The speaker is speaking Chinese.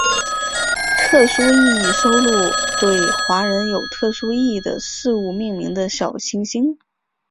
特殊意义收录对华人有特殊意义的事物命名的小行星。